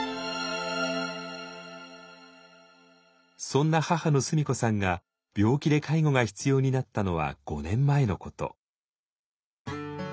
そんな母の須美子さんが病気で介護が必要になったのは５年前のこと。